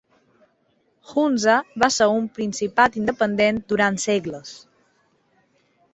Hunza va ser un principat independent durant segles.